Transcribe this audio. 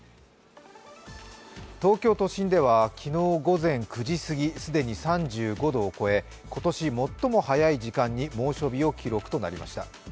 東京都心では昨日午前９時過ぎ、既に３５度を超え、今年最も早い時間に猛暑日を記録となりました。